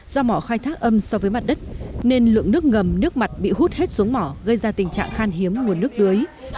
do mỏ khai thác âm so với mặt đất nên lượng nước ngầm nước mặt bị hút hết xuống mỏ gây ra tình trạng khan hiếm nguồn nước tưới